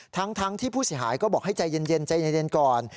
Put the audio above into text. ทั้งที่ผู้เสียหายก็บอกให้ใจเย็นใจเย็นก่อน